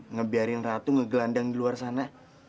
ngebiarin ratu ngegelandang di luar sana